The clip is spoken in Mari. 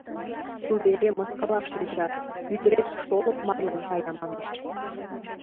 Тудо эре мыскылаш тӧча: «Ӱдырет шолып марлан кая», — манеш...